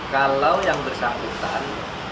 kalau yang bersangkutan